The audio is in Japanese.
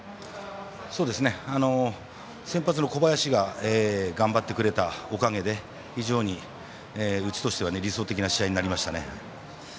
そうですね、先発の小林が頑張ってくれたおかげで非常に、うちとしては理想的な試合になりましたね。